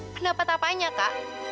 pendapat apanya kak